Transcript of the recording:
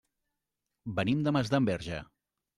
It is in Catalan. Venim de Masdenverge.